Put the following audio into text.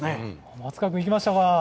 松川君いきましたか。